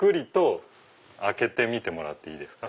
開けてみてもらっていいですか。